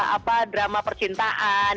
apa drama percintaan